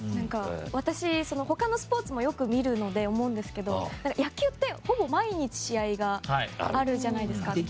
私、他のスポーツもよく見るので思うんですけど野球ってほぼ毎日、試合があるじゃないですか。